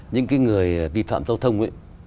những cái người vi phạm giao thông ấy